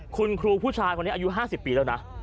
คุณครูผู้ชายคนนี้อายุ๕๐ปีแล้วนะ